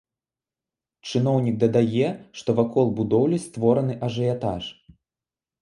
Чыноўнік дадае, што вакол будоўлі створаны ажыятаж.